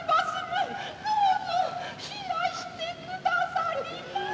どうぞ死なしてくださりませ。